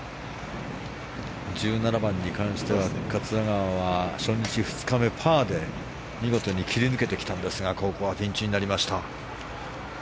１７番に関しては、桂川は初日、２日目とパーで見事に切り抜けてきたんですがここはピンチになりました。